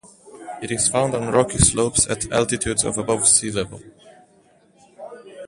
It is found on rocky slopes at altitudes of above sea level.